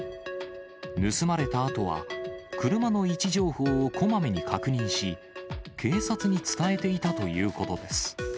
盗まれたあとは、車の位置情報をこまめに確認し、警察に伝えていたということです。